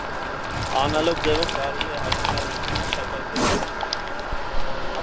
Անալոգ ձևով կարելի է հաշվել այլ տիպի միջակայքերի ամբողջ կետերի քանակը։